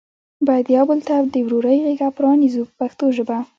باید یو بل ته د ورورۍ غېږه پرانیزو په پښتو ژبه.